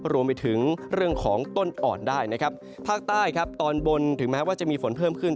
รวมไปถึงเรื่องของต้นอ่อนได้นะครับภาคใต้ครับตอนบนถึงแม้ว่าจะมีฝนเพิ่มขึ้น